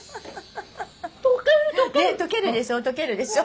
とけるでしょとけるでしょ。